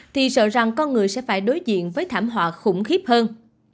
thì sợ rằng con người sẽ phải đối diện với thảm họa khủng khiếp hơn